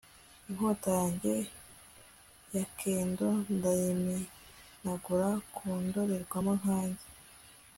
inkota yanjye ya kendo ndayimenagura ku ndorerwamo nkanjye